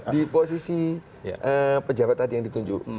di posisi pejabat tadi yang ditunjuk